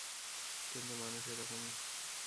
কিন্তু মানুষ এরকমই।